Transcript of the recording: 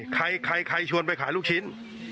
ใครชวนไปขายลูกชิ้น